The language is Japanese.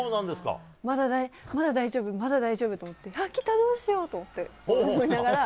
まだ大丈夫、まだ大丈夫と思って来た、どうしよう！と思いながら。